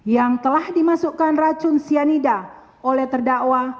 yang telah dimasukkan racun cyanida oleh terdakwa